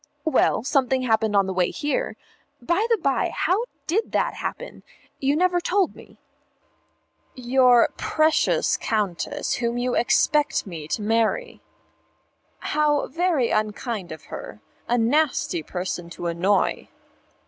"Well, something happened on the way here. By the by, how did that happen? You never told me." "Your precious Countess, whom you expect me to marry." "How very unkind of her. A nasty person to annoy."